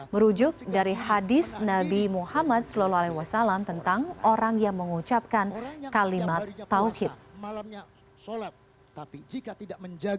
merujuk dari hadis nabi muhammad saw tentang orang yang mengucapkan kalimat tawhid